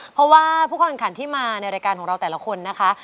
เพราะว่าผู้เข้าแข่งขันที่มาในรายการของเราแต่ละคนนะคะ